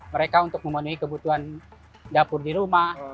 mereka untuk memenuhi kebutuhan dapur di rumah